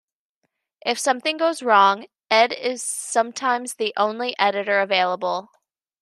If something goes wrong, ed is sometimes the only editor available.